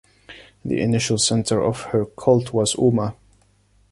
The initial center of her cult was Umma.